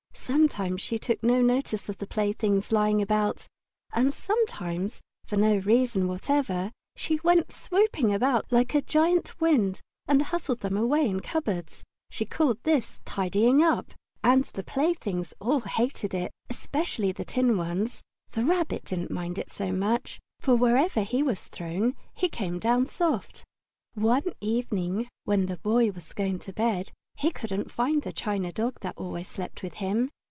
Sometimes she took no notice of the playthings lying about, and sometimes, for no reason whatever, she went swooping about like a great wind and hustled them away in cupboards. She called this "tidying up," and the playthings all hated it, especially the tin ones. The Rabbit didn't mind it so much, for wherever he was thrown he came down soft. One evening, when the Boy was going to bed, he couldn't find the china dog that always slept with him.